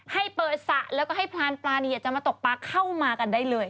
ให้เปิดสระแล้วก็ให้พรานปลาเนี่ยจะมาตกปลาเข้ามากันได้เลย